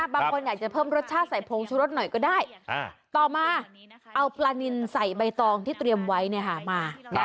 บางคนอยากจะเพิ่มรสชาติใส่ผงชะรสหน่อยก็ได้ต่อมาเอาปลานินใส่ใบตองที่เตรียมไว้มา